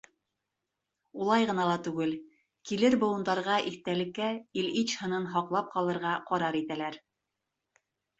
Улай ғына ла түгел, килер быуындарға иҫтәлеккә Ильич һынын һаҡлап ҡалырға ҡарар итәләр.